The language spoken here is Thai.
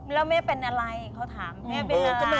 แล้วแม่เป็นอะไรเขาถามแม่ไปหา